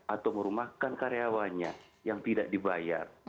atau merumahkan karyawannya yang tidak dibayar